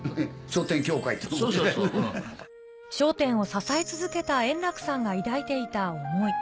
笑点を支え続けた円楽さんが抱いていた思い。